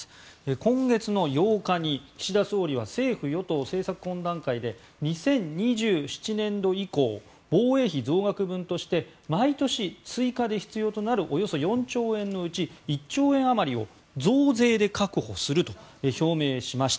今月７日に、岸田総理は政府与党政策懇談会で２０２７年度以降防衛費増額分として毎年、追加で必要となるおよそ４兆円のうち１兆円あまりを増税で確保すると表明しました。